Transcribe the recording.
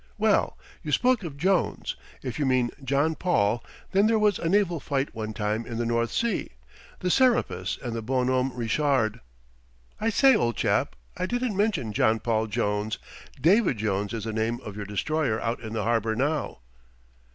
"Well, you spoke of Jones. If you mean John Paul, then there was a naval fight one time in the North Sea the Serapis and the Bonhomme Richard." "I say, old chap, I didn't mention John Paul Jones. David Jones is the name of your destroyer out in the harbor now."